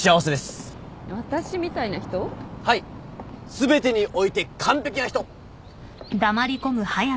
全てにおいて完璧な人！